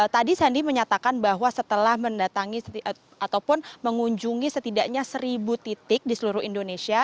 tadi sandi menyatakan bahwa setelah mendatangi ataupun mengunjungi setidaknya seribu titik di seluruh indonesia